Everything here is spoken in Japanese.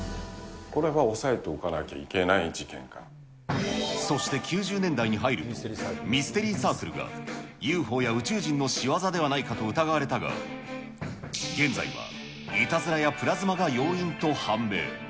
これは押さえておかなきゃいけなそして９０年代に入ると、ミステリーサークルが、ＵＦＯや宇宙人のしわざではないかと疑われたが、現在はいたずらやプラズマが要因と判明。